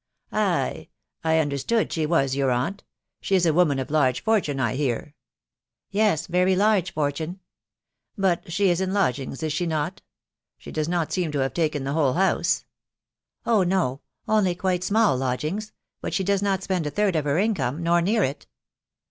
" Ay, .... I understood she was jma aartt. ..» She ds a woman of large fortune, I hear? "" Yes, very large fortune." " But she is in lodgings, is she not ?.... She does not seem to Tiave taken the whole house." "Oh, ho ... .only quite *mall lodgings: but she does not spend a third *>f her income, nor near it."